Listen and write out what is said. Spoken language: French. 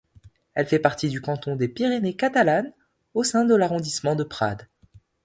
Elle fait partie du canton des Pyrénées catalanes, au sein de l'arrondissement de Prades.